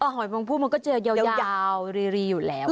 หอยมงพู่มันก็เจอยาวรีอยู่แล้ว